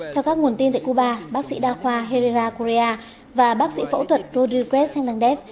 theo các nguồn tin tại cuba bác sĩ đa khoa herrera korea và bác sĩ phẫu thuật rodrigues hernandez